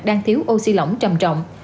đang thiếu oxy lỏng trầm trọng